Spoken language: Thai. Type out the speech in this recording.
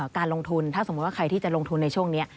การลงทุนถ้าสมมุติว่าใครที่จะลงทุนในช่วงนี้